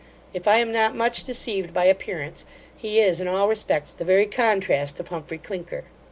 If I am not much deceived by appearance, he is, in all respects, the very contrast of Humphry Clinker.